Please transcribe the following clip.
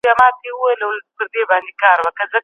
دعا به په بل وخت کې وکړې.